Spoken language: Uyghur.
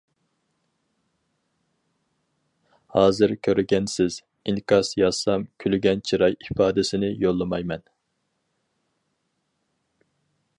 ھازىر كۆرگەنسىز، ئىنكاس يازسام كۈلگەن چىراي ئىپادىسىنى يوللىمايمەن.